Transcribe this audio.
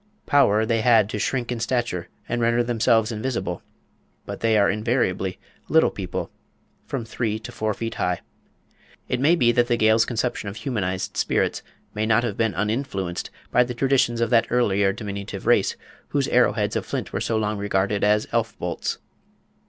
Power they had to shrink in stature and to render themselves invisible, but they are invariably "little people," from three to four feet high. It may be that the Gael's conception of humanised spirits may not have been uninfluenced by the traditions of that earlier diminutive race whose arrow heads of flint were so long regarded as "elf bolts."